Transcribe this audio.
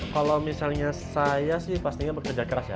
kalau misalnya saya sih pastinya bekerja keras ya